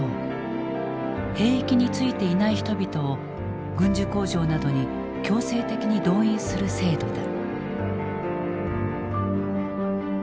兵役に就いていない人々を軍需工場などに強制的に動員する制度だ。